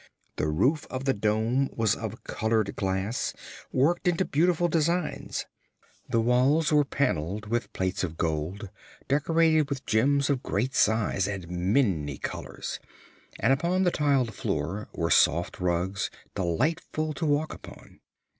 The roof of the dome was of colored glass, worked into beautiful designs. The walls were paneled with plates of gold decorated with gems of great size and many colors, and upon the tiled floor were soft rugs delightful to walk upon.